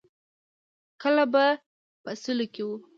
کله به په سلو کې وه.